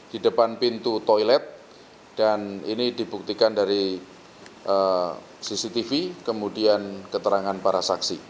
di depan pintu toilet dan ini dibuktikan dari cctv kemudian keterangan para saksi